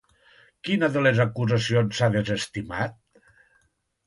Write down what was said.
Quina de les acusacions s'ha desestimat?